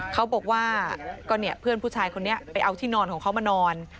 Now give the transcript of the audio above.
เขาบอกว่าก็เนี่ยเพื่อนผู้ชายคนนี้ไปเอาที่นอนของเขามานอน